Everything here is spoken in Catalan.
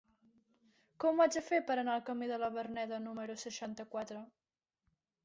Com ho faig per anar al camí de la Verneda número seixanta-quatre?